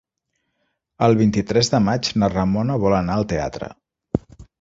El vint-i-tres de maig na Ramona vol anar al teatre.